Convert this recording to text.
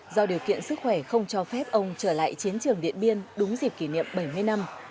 do điều kiện sức khỏe không cho phép ông trở lại chiến trường điện biên đúng dịp kỷ niệm bảy mươi năm